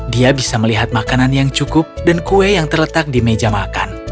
dia bisa melihat makanan yang cukup dan kue yang terletak di meja makan